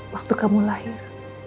waktu kamu lahir